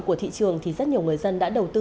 của thị trường thì rất nhiều người dân đã đầu tư